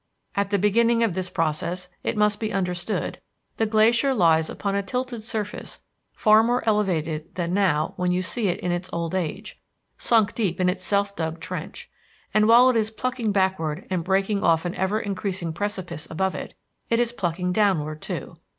At the beginning of this process, it must be understood, the glacier lies upon a tilted surface far more elevated than now when you see it in its old age, sunk deep in its self dug trench; and, while it is plucking backward and breaking off an ever increasing precipice above it, it is plucking downward, too.